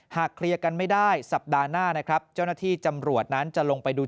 เคลียร์กันไม่ได้สัปดาห์หน้านะครับเจ้าหน้าที่จำรวจนั้นจะลงไปดู